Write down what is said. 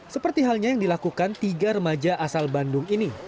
seperti halnya yang dilakukan tiga remaja asal bandung ini